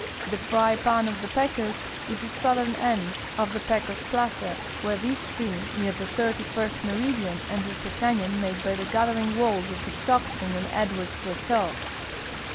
The fry pan of the Pecos is the southern end of the Pecos plaza where this stream, near the thirty first meridian, enters a canon made by the gathering walls of the Stockton and Edwards plateau.